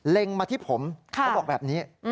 เล็งมาที่ผมเขาบอกแบบนี้